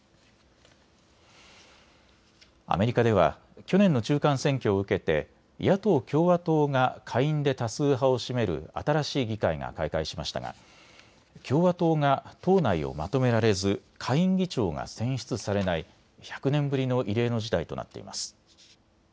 アメリカでは去年の中間選挙を受けて野党・共和党が下院で多数派を占める新しい議会が開会しましたが共和党が党内をまとめられず下院議長が選出されない１００年ぶりの異例の事態となっています。